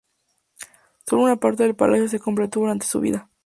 Sólo una parte del palacio se completó durante su vida.